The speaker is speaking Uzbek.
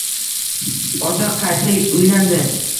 Ota qayta uylandi